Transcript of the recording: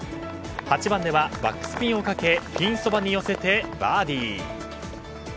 ８番ではバックスピンをかけピンそばに寄せてバーディー。